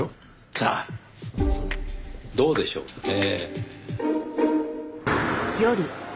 さあどうでしょうねぇ。